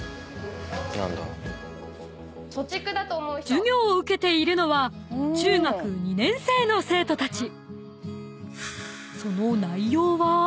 ［授業を受けているのは中学２年生の生徒たち］